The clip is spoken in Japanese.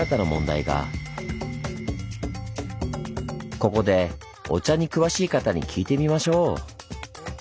ここでお茶に詳しい方に聞いてみましょう！